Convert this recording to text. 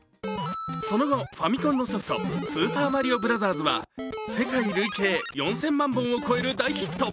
その後、ファミコンのソフト「スーパーマリオブラザーズ」は世界累計４０００万本を超える大ヒット。